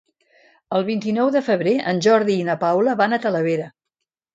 El vint-i-nou de febrer en Jordi i na Paula van a Talavera.